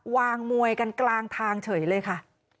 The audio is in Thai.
วางมวยกันกลางทางเฉยเลยค่ะ